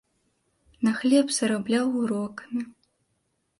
На хлеб зарабляў урокамі.